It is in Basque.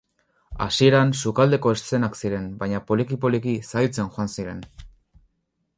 Hasieran sukaldeko eszenak ziren baina poliki-poliki zailtzen joan ziren.